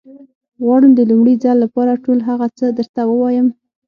غواړم د لومړي ځل لپاره ټول هغه څه درته ووايم.